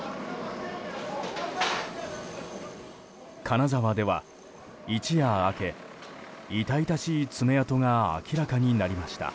金沢では一夜明け、痛々しい爪痕が明らかになりました。